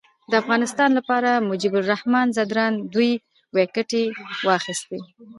د افغانستان لپاره مجيب الرحمان ځدراڼ دوې ویکټي واخیستي.